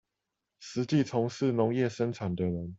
實際從事農業生產的人